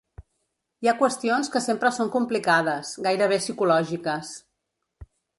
Hi ha qüestions que sempre són complicades, gairebé psicològiques.